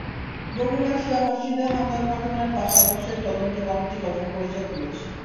বগুড়ায় শিয়া মসজিদে হামলার ঘটনার পাঁচ সদস্যের তদন্ত কমিটি গঠন করেছে পুলিশ।